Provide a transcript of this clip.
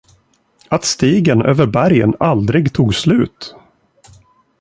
Att stigen över bergen aldrig tog slut!